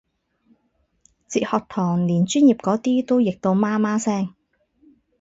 哲學堂連專業嗰啲都譯到媽媽聲